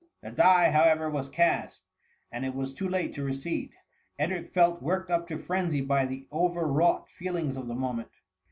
The die^ however, was cast, and it was too late to recede. Edrtc felt worked up to frenzy by the over wrought feelings of the moment.